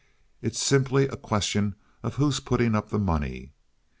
"It's simply a question of who's putting up the money."